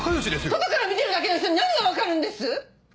外から見てるだけの人に何が分かるんです